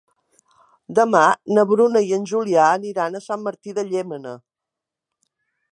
Demà na Bruna i en Julià aniran a Sant Martí de Llémena.